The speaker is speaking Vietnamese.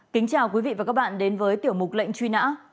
kính chào quý vị và các bạn đến với tiểu mục lệnh truy nã